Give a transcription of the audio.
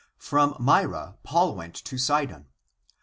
... From Myra Paul went to Sidon.